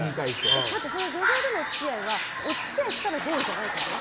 女性とのお付き合いはお付き合いしたらゴールじゃないからね。